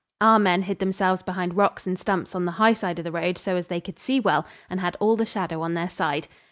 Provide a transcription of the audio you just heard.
Our men hid themselves behind rocks and stumps on the high side of the road so as they could see well, and had all the shadow on their side.